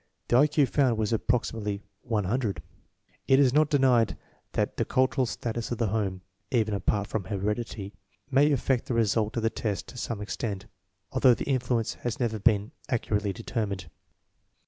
The I Q found was ap proximately 100. 1 It is not denied that the cultural status of the home (even apart from heredity) may affect the result of the test to some extent, although the influence has never been accurately determined.